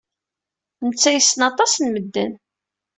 Netta yessen aṭas n medden.